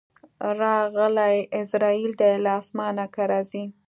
راغلی عزراییل دی له اسمانه که راځې